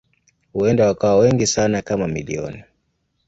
Huenda wakawa wengi sana kama milioni.